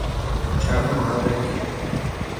چرخ محرک